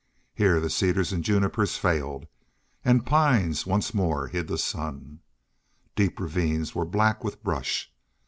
Here the cedars and junipers failed and pines once more hid the sun. Deep ravines were black with brush.